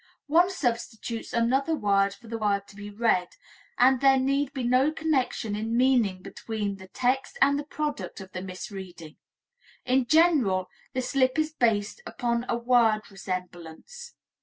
One substitutes another word for the word to be read, and there need be no connection in meaning between the text and the product of the misreading. In general, the slip is based upon a word resemblance.